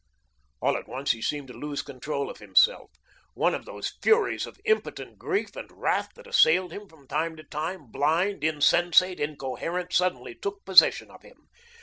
All at once he seemed to lose control of himself. One of those furies of impotent grief and wrath that assailed him from time to time, blind, insensate, incoherent, suddenly took possession of him.